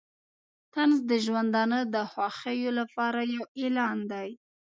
طنز د ژوندانه د خوښیو لپاره یو اعلان دی.